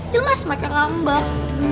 jelas mereka ngambek